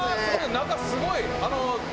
中すごい。